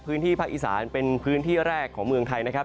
พื้นที่ภาคอีสานเป็นพื้นที่แรกของเมืองไทยนะครับ